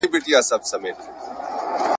اجتماعي شبکې د مطالعې پر وړاندې خنډونه جوړوي.